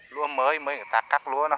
lúa mới mới người ta cắt lúa nó